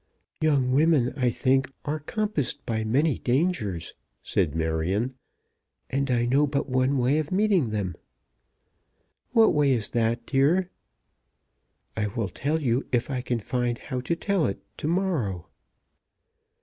"Young women, I think, are compassed by many dangers," said Marion; "and I know but one way of meeting them." "What way is that, dear?" "I will tell you, if I can find how to tell it, to morrow."